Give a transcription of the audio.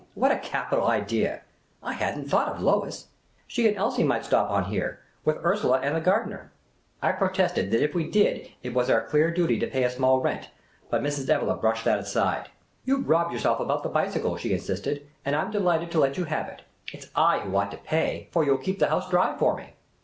What a capital idea ! I never thought of Lois ! She and Elsie might stop on here, with Ursula and the gardener." The Impromptu Mountaineer 123 I protested that if we did it was our clear duty to pay a small rent; but Mrs. Evelegli brushed that aside. " You 've robbed yourselves about the bicycle," she insisted, " and I 'm delighted to let you have it. It 's I who ought to pay, for you '11 keep the house dry for me."